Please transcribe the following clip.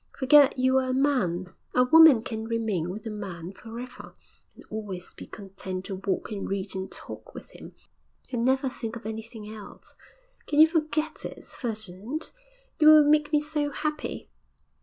Forget that you are a man. A woman can remain with a man for ever, and always be content to walk and read and talk with him, and never think of anything else. Can you forget it, Ferdinand? You will make me so happy.'